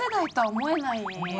思えない。